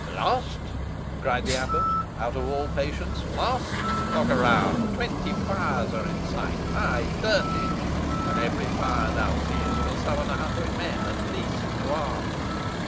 "Lost!" cried the abbot, out of all patience. "Lost! Look around. Twenty fires are in sight ay, thirty, and every fire thou seest will summon a hundred men, at the least, to arms.